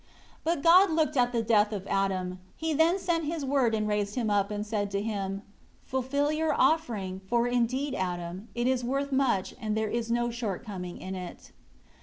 5 But God looked at the death of Adam. He then sent His Word, and raised him up and said to him, "Fulfil your offering, for indeed, Adam, it is worth much, and there is no shortcoming in it."